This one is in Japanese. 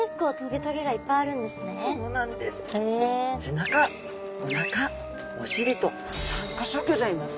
背中おなかお尻と３か所ギョざいます！